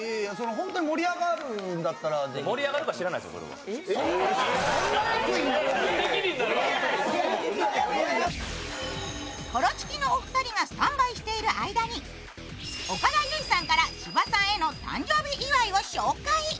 はい、仕上げてきてますしコロチキのお二人がスタンバイしている間に岡田結実さんから芝さんへの誕生日祝いを紹介。